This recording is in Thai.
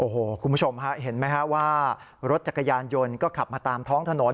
โอ้โหคุณผู้ชมฮะเห็นไหมฮะว่ารถจักรยานยนต์ก็ขับมาตามท้องถนน